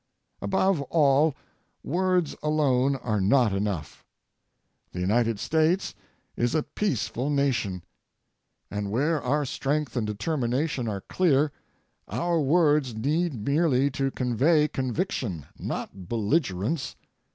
Above all, words alone are not enough. The United States is a peaceful nation. And where our strength and determination are clear, our words need merely to convey conviction, not belligerence.